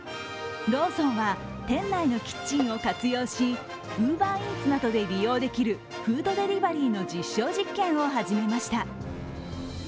ローソンは、店内のキッチンを活用しＵｂｅｒＥａｔｓなどで利用できるフードデリバリーの実証実験を始めました。